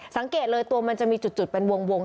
สังเกตเลยตัวมันจะมีจุดเป็นวง